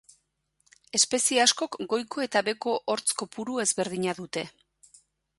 Espezie askok goiko eta beheko hortz kopuru ezberdina dute.